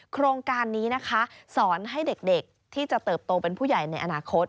โครงการนี้นะคะสอนให้เด็กที่จะเติบโตเป็นผู้ใหญ่ในอนาคต